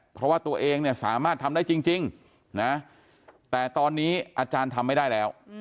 เพราะว่าตัวเองเนี่ยสามารถทำได้จริงนะแต่ตอนนี้อาจารย์ทำไม่ได้แล้ว